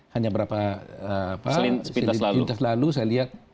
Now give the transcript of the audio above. hanya beberapa selintas lalu saya lihat